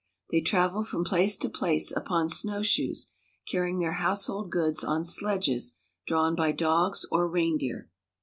They travel from place to place upon snowshoes, carrying their household goods on sledges drawn by dogs or reindeer.